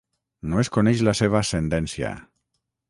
No es coneix la seva ascendència.